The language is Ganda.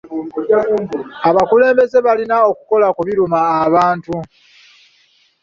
Abakulembeze balina okukola ku biruma abantu.